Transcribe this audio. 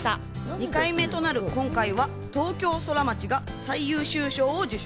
２回目となる今回は東京ソラマチが最優秀賞を受賞。